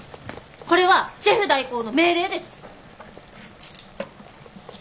これはシェフ代行の命令です！